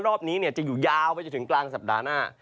รอบนี้จะอยู่ยาวไปจนถึงกลางสัปดาห์หน้า